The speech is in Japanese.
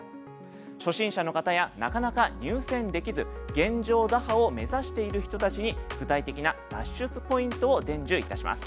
初心者の方やなかなか入選できず現状打破を目指している人たちに具体的な脱出ポイントを伝授いたします。